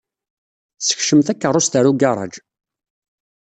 Ssekcem takeṛṛust ɣer ugaṛaj.